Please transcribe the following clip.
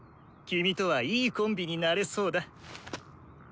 キミとはいいコンビになれそうだ。